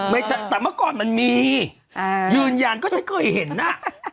ไม่ใช่แต่เมื่อก่อนมันมียืนยันก็ฉันเคยเห็นน่ะ